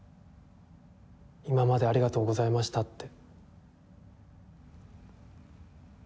今までありがとうございましたって。